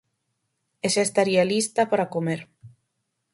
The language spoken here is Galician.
E xa estaría lista para comer.